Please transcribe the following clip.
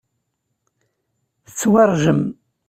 Tettwaṛjem.